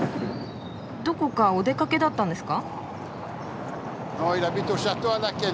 どこかお出かけだったんですか？